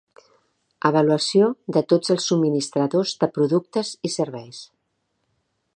Avaluació de tots els subministradors de productes i serveis.